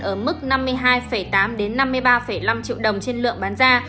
ở mức năm mươi hai tám năm mươi ba năm triệu đồng trên lượng bán ra